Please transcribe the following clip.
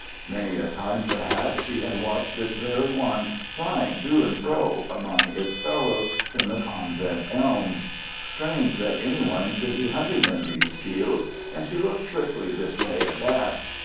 Many a time, perhaps, she had watched this very one flying to and fro among its fellows in the convent elms. Strange that any one should be hunting in these fields, and she looked quickly this way and that.